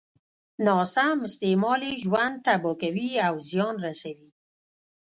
ناسم استعمال يې ژوند تباه کوي او زيان رسوي.